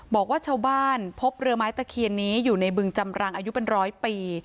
บอกว่าชาวบ้านพบเรือไม้ตะเคียนนี้อยู่ในบึงจำรังอายุเป็นร้อยปี